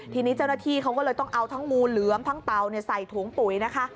ทีนี้เจ้าหน้าที่เขาก็เลยต้องเอาทั้งงูเหลือมทั้งเตาใส่ถุงปุ๋ยนะคะ